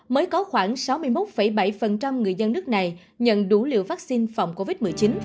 mới có khoảng sáu mươi một bảy người dân nước này nhận đủ liều vaccine phòng covid một mươi chín